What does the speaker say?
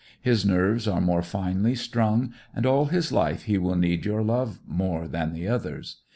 His nerves are more finely strung and all his life he will need your love more than the others.